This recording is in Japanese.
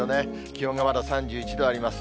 気温がまだ３１度あります。